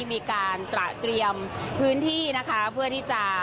มีการตระเตรียมพื้นที่นะคะเพื่อที่จะ